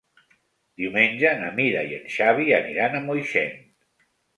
Diumenge na Mira i en Xavi aniran a Moixent.